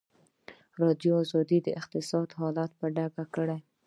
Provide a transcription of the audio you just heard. ازادي راډیو د اقتصاد حالت په ډاګه کړی.